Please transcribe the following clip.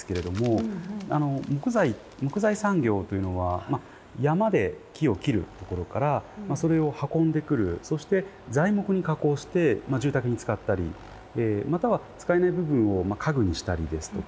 木材産業というのは山で木を切るところからそれを運んでくるそして材木に加工して住宅に使ったりまたは使えない部分を家具にしたりですとか